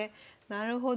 なるほど。